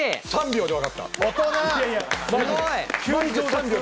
３秒でわかった。